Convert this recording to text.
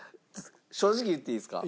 正直言っていいですか？